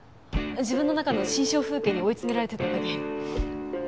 自分の中の心象風景に追い詰められてただけ。